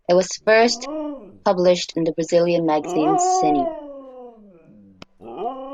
It was first published in the Brazilian magazine "Senhor".